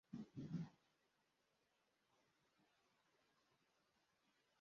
Yesu iumunsiragire; ugire impagarike;